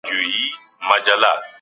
د خوب خونه باید ارامه او پاکه وي.